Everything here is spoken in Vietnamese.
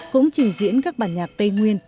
cũng trình diễn các bản nhạc tây nguyên